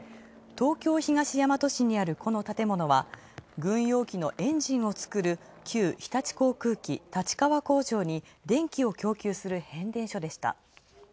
東京・東大和市にあるこの建物は軍用機のエンジンを作る旧日立航空機立川工場に電気を供給する変電所でした。